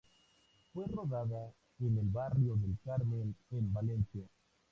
Fue rodada en el barrio del Carmen en Valencia.